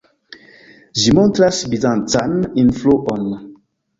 Ĝi montras bizancan influon.